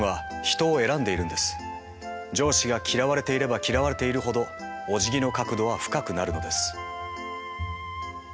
上司が嫌われていれば嫌われているほどおじぎの角度は深くなるのです。